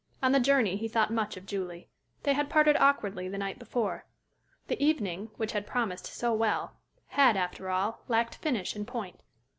On the journey he thought much of Julie. They had parted awkwardly the night before. The evening, which had promised so well, had, after all, lacked finish and point.